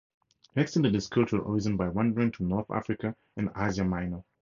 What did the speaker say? He extended his cultural horizon by wandering through North Africa and Asia Minor.